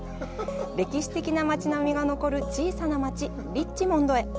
歴史的な街並みが残る小さな町リッチモンドへ。